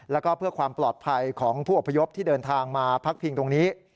แล้วก็เพื่อความปลอดภัยของผู้อพยพที่เดินทางมาพักพิงตรงนี้